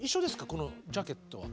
このジャケットは。